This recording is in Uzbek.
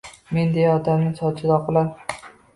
Men deya otamning sochida oqlar